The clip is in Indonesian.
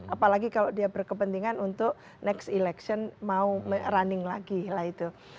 apalagi kalau dia berkepentingan untuk next election mau running lagi lah itu